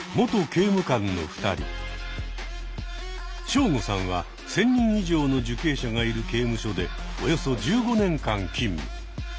ショウゴさんは１，０００人以上の受刑者がいる刑務所でおよそ１５年間勤務。